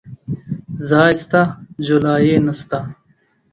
ځاى سته ، جولايې نسته.